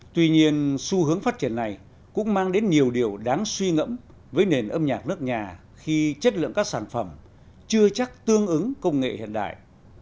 tuy nhiên xu hướng phát triển này cũng mang đến nhiều điều đáng suy ngẫm với nền âm nhạc nước nhà khi chất lượng các sản phẩm chưa chắc tương ứng công nghệ hiện đại